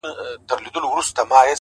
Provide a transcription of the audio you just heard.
• د جهنم منځ کي د اوسپني زنځیر ویده دی ـ